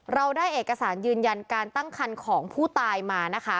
เราได้เอกสารยืนยันการตั้งคันของผู้ตายมานะคะ